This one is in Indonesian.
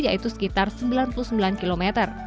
yaitu sekitar sembilan puluh sembilan km